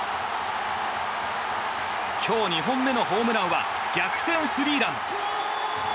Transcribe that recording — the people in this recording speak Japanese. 今日２本目のホームランは逆転スリーラン！